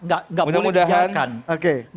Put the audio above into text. kita tidak boleh dibiarkan